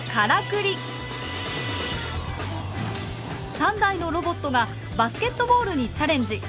３台のロボットがバスケットボールにチャレンジ。